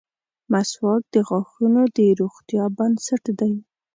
• مسواک د غاښونو د روغتیا بنسټ دی.